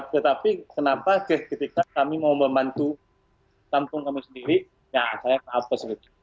tetapi kenapa ketika kami mau membantu kampung kami sendiri ya saya kenapa sendiri